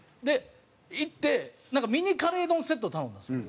行ってなんかミニカレー丼セットを頼んだんですよ。